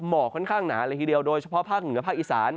หมอกค่อนข้างหนาเลยทีเดียวโดยเฉพาะภาคเหนือภาคอีสาน